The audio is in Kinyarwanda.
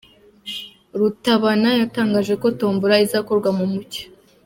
Rutabana yatangaje ko tombola izakorwa mu mucyo.